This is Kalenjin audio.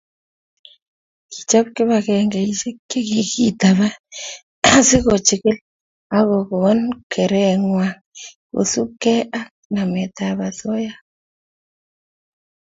Kichop kibagengeisiek che kikitaban asi kochigil akokon kerengwai kosubkei ak nametab osoya